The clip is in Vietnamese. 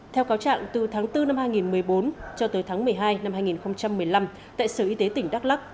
theo cáo trạng từ tháng bốn năm hai nghìn một mươi bốn cho tới tháng một mươi hai năm hai nghìn một mươi năm tại sở y tế tỉnh đắk lắc